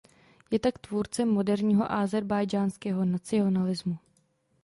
Je tak tvůrcem moderního ázerbájdžánského nacionalismu.